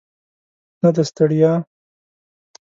نه د ستړیا.